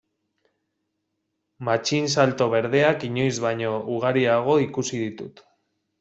Matxinsalto berdeak inoiz baino ugariago ikusi ditut.